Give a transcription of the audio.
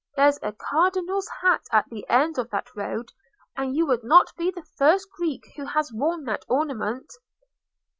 There's a cardinal's hat at the end of that road, and you would not be the first Greek who has worn that ornament."